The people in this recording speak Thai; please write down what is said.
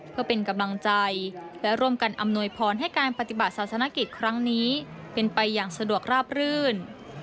เพื่อเป็นกำลังใจและร่วมกันอำนวยพรให้การปฏิบัติศาสนกิจครั้งนี้เป็นไปอย่างสะดวกราบรื่น